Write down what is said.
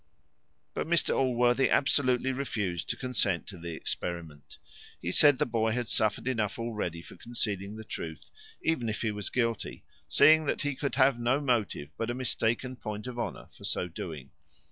But Mr Allworthy absolutely refused to consent to the experiment. He said, the boy had suffered enough already for concealing the truth, even if he was guilty, seeing that he could have no motive but a mistaken point of honour for so doing.